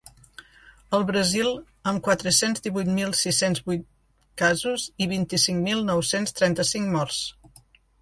El Brasil, amb quatre-cents divuit mil sis-cents vuit casos i vint-i-cinc mil nou-cents trenta-cinc morts.